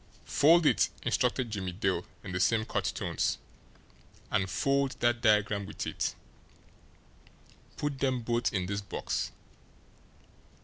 "Fold it!" instructed Jimmie Dale, in the same curt tones. "And fold that diagram with it. Put them both in this box.